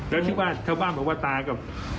และซึ่งว่ามาบ้านบ้างว่าตายกับ